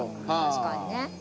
確かにね。